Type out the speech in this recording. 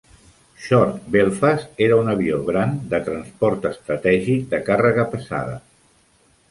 Short Belfast era un avió gran de transport estratègic de càrrega pesada.